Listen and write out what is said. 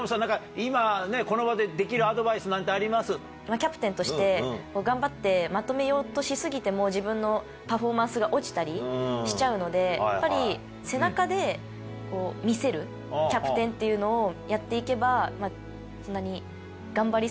キャプテンとして頑張ってまとめようとし過ぎても自分のパフォーマンスが落ちたりしちゃうのでやっぱり。っていうのをやって行けばそんなに。